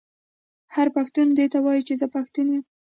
هر پښتون دې ووايي چې زه پښتو یم.